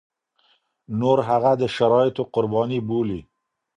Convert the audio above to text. نور هغه د شرايطو قرباني بولي.